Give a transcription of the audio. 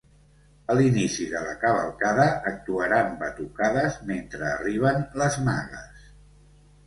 A l’inici de la cavalcada actuaran batucades mentre arriben les magues.